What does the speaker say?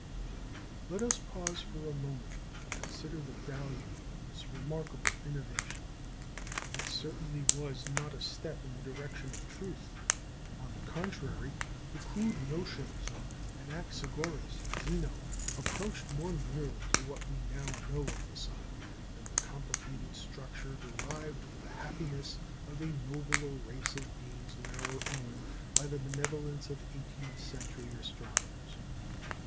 Let us pause for a moment to consider the value of this remarkable innovation. It certainly was not a step in the direction of truth. On the contrary, the crude notions of Anaxagoras and Xeno approached more nearly to what we now know of the sun, than the complicated structure devised for the happiness of a nobler race of beings than our own by the benevolence of eighteenth century astronomers.